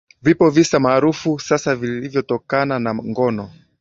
vipo visa maarufu sana vilivyotokana na ngono